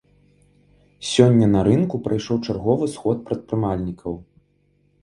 Сёння на рынку прайшоў чарговы сход прадпрымальнікаў.